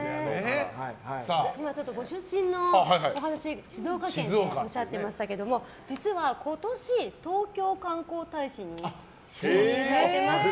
今、ご出身のお話静岡県とおっしゃっていましたが実は今年、東京観光大使に就任されていまして。